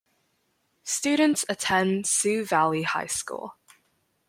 Students attend Sioux Valley High School.